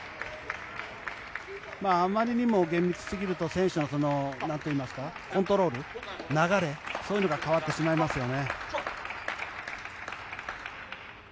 あまりにも厳密すぎると選手のコントロール、流れそういうのが変わってしまいますよね。